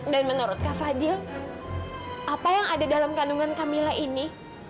dan menurut kak fadil apa yang ada dalam kandungan kamila ini